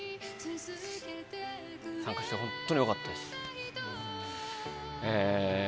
参加して本当によかったです。